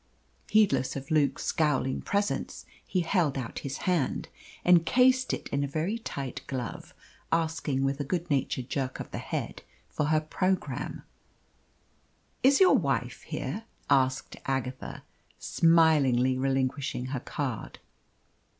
Heedless of Luke's scowling presence, he held out his hand, encased in a very tight glove, asking with a good natured jerk of the head for her programme. "Is your wife here?" asked Agatha, smilingly relinquishing her card.